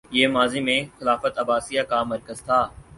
یہ ماضی میں خلافت عباسیہ کا مرکز تھا